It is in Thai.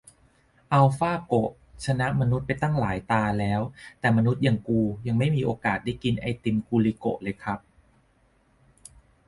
อัลฟาโกะชนะมนุษย์ไปหลายตาแล้ว แต่มนุษย์อย่างกูยังไม่มีโอกาสได้กินไอติมกูลิโกะเลยครับ